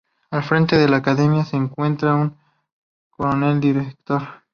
Al frente de la academia se encuentra un coronel director.